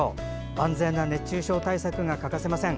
万全な熱中症対策が欠かせません。